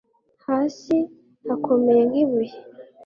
Hasi hakomeye nk ibuye